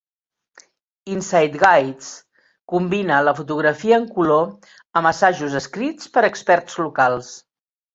Insight Guides combina la fotografia en color amb assajos escrits per experts locals.